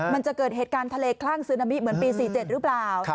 มันจะเกิดเหตุการณ์ทะเลคลั่งซึนามิเหมือนปี๔๗หรือเปล่า